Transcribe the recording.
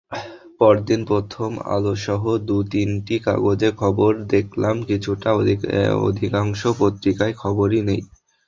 পরদিন প্রথম আলোসহ দু-তিনটি কাগজে খবর দেখলাম কিছুটা—অধিকাংশ পত্রিকায় খবরই নেই।